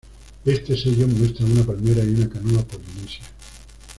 Este sello muestra una palmera y una canoa polinesia.